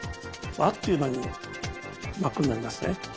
あっという間に真っ黒になりますね。